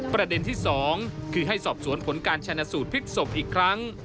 ประเด็นที่๒คือให้สอบสวนผลการชนะสูตรพลิกศพอีกครั้ง